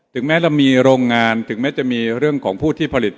แม้เรามีโรงงานถึงแม้จะมีเรื่องของผู้ที่ผลิต